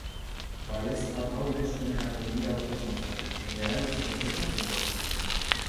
Balezta gau-ikuspenerako mira optikoa zuen eta erabiltzeko prest zegoen.